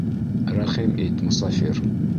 Рәхим ит, мосафир.